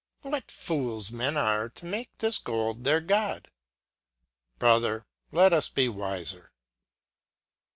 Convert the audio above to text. What fools men are to make this gold their God ? Brother, let us be wifer.